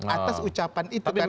atas ucapan itu